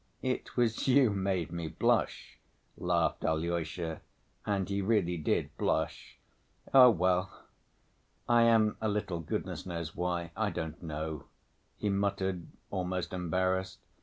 "It was you made me blush," laughed Alyosha, and he really did blush. "Oh, well, I am a little, goodness knows why, I don't know..." he muttered, almost embarrassed.